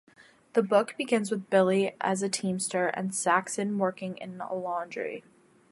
The book begins with Billy as a Teamster and Saxon working in a laundry.